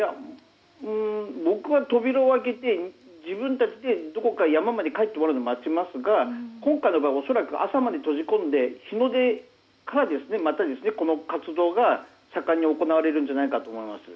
僕は扉を開けて自分たちでどこか山まで帰ってもらうのを待ちますが今回の場合恐らく朝まで閉じ込めて日の出からこの活動が盛んに行われるんじゃないかと思います。